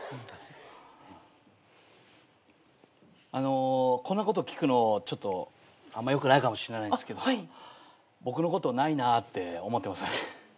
あのこんなこと聞くのちょっとあんまよくないかもしれないですけど僕のことないなって思ってますよね。